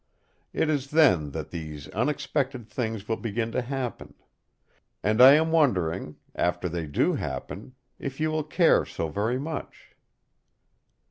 It is then that these unexpected things will begin to happen. And I am wondering after they do happen if you will care so very much?"